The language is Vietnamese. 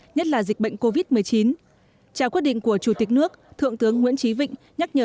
nhất là dịch bệnh covid một mươi chín trao quyết định của chủ tịch nước thượng tướng nguyễn trí vịnh nhắc nhờ